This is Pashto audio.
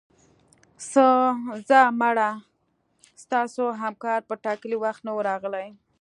ځه مړه ستاسو همکار په ټاکلي وخت نه و راغلی